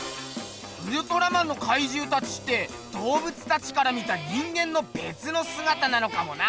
ウルトラマンのかいじゅうたちって動物たちから見た人間のべつのすがたなのかもな。